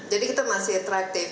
jadi kita masih atraktif